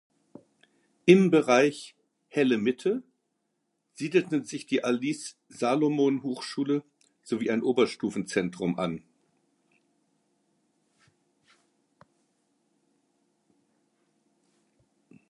Im Bereich "Helle Mitte" siedelten sich die Alice-Salomon-Hochschule sowie ein Oberstufenzentrum an.